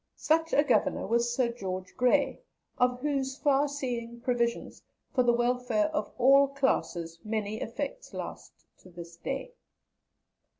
Such a Governor was Sir George Grey, of whose far seeing provisions for the welfare of all classes many effects last to this day.